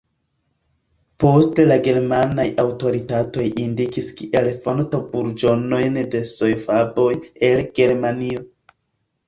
Poste la germanaj aŭtoritatoj indikis kiel fonto burĝonojn de sojo-faboj el Germanio.